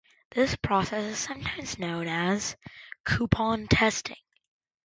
This process is sometimes known as "coupon testing".